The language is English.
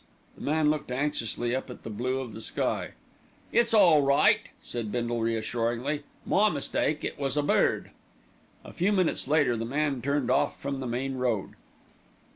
The man looked anxiously up at the blue of the sky. "It's all right," said Bindle reassuringly. "My mistake; it was a bird." A few minutes later the man turned off from the main road.